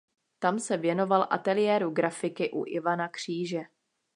Tam se věnoval ateliéru grafiky u Ivana Kříže.